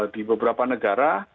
di beberapa negara